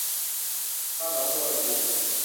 มาหนองบัวลำภู